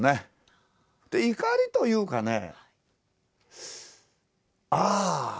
怒りというかね